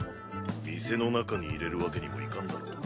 店の中に入れるわけにもいかんだろう。